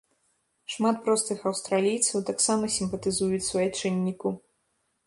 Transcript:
Шмат простых аўстралійцаў таксама сімпатызуюць суайчынніку.